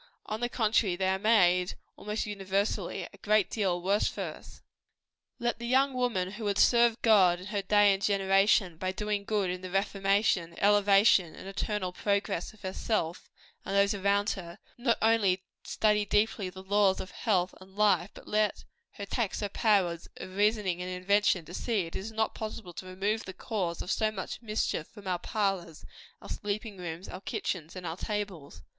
On the contrary, they are made, almost universally, a great deal worse for us. Let the young woman who would serve God in her day and generation, by doing good in the reformation, elevation, and eternal progress of herself and those around her, not only study deeply the laws of health and life, but let her tax her powers of reasoning and invention, to see if it is not possible to remove the cause of so much mischief from our parlors, our sleeping rooms, our kitchens, and our tables.